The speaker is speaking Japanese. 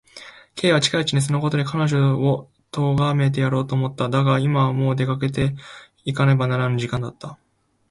Ｋ は近いうちにそのことで彼女をとがめてやろうと思った。だが、今はもう出かけていかねばならぬ時間だった。